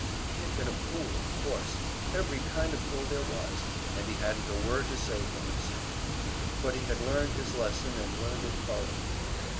He had been a fool, of course, every kind of fool there was, and he hadn't a word to say for himself; but he had learned his lesson and learned it thoroughly.